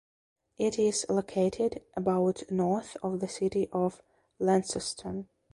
It is located about north of the city of Launceston.